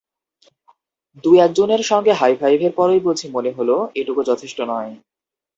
দু-একজনের সঙ্গে হাই ফাইভের পরই বুঝি মনে হলো, এটুকু যথেষ্ট নয়।